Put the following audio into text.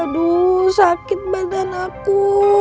aduh sakit badan aku